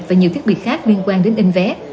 và nhiều thiết bị khác liên quan đến in vé